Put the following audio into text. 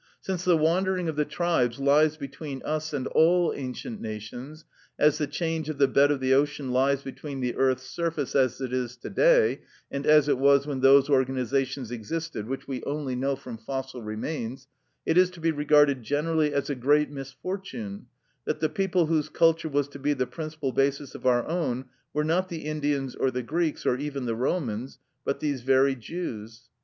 Since the wandering of the tribes lies between us and all ancient nations, as the change of the bed of the ocean lies between the earth's surface as it is to day and as it was when those organisations existed which we only know from fossil remains, it is to be regarded generally as a great misfortune that the people whose culture was to be the principal basis of our own were not the Indians or the Greeks, or even the Romans, but these very Jews.